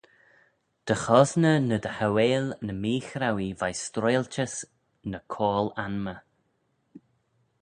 Dy chosney ny dy hauail ny meechrauee veih stroialtys ny coayl anmey.